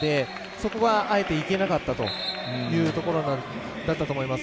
そこが、あえていけなかったというところだったと思います。